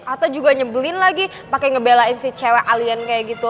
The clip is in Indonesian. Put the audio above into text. atau juga nyebelin lagi pakai ngebelain si cewek alien kayak gitu